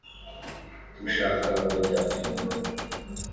dushaka uko cyakemuka”